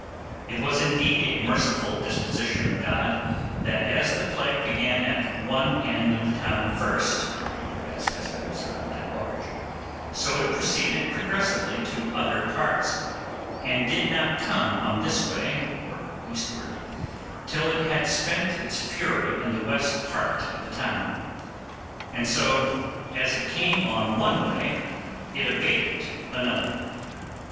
It was indeed a merciful disposition of God, that as the plague began at one end of the town first (as has been observed at large) so it proceeded progressively to other parts, and did not come on this way, or eastward, till it had spent its fury in the West part of the town; and so, as it came on one way, it abated another.